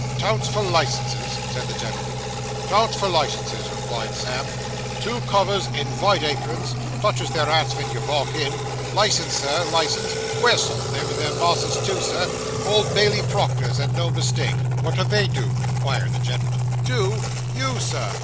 'Touts for licences!' said the gentleman. 'Touts for licences,' replied Sam. 'Two coves in vhite aprons touches their hats ven you walk in "Licence, Sir, licence?" Queer sort, them, and their mas'rs, too, sir Old Bailey Proctors and no mistake.' 'What do they do?' inquired the gentleman. 'Do! You, Sir!